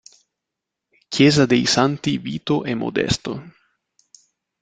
Chiesa dei Santi Vito e Modesto